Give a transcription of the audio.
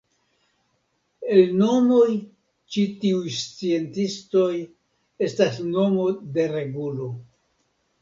El nomoj ĉi tiuj sciencistoj estas nomo de regulo.